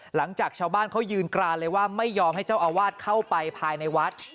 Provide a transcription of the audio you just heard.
หลังจากชาวบ้านเขายืนกรานเลยว่าไม่ยอมให้เจ้าอาวาสเข้าไปภายในวัด